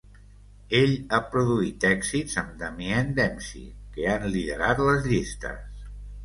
Ell ha produït èxits amb Damien Dempsey que han liderat les llistes.